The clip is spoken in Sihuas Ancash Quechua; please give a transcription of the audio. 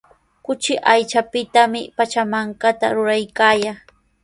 Kuchi aychapitami pachamankata ruraykaayan.